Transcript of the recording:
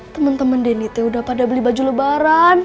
temen temen dini t udah pada beli baju lebaran